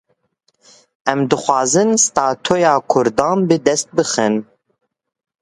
Em dixwazin statuya Kurdan bi dest bixin.